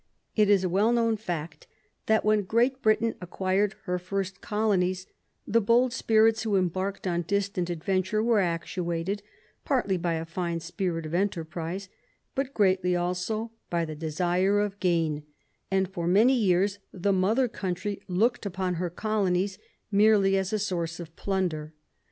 It is a well known fact that, when Great Britain acquired her first colonies, the bold spirits who embarked on distant adventure were actuated, partly by a fine spirit of enter prise, but greatly also by the desire of gain, and for many years the mother country looked upon her colonies merely as a source of plunder.